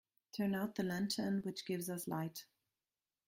Turn out the lantern which gives us light.